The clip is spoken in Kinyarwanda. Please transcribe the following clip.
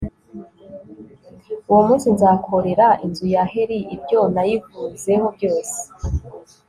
uwo munsi nzakorera inzu ya heli ibyo nayivuzeho byose